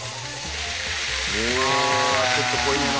うわちょっと濃いめの。